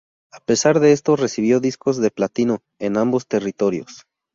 A pesar de esto, recibió discos de platino en ambos territorios.